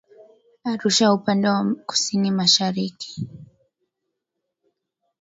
Arusha upande wa kusini mashariki